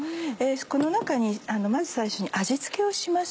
この中にまず最初に味付けをします。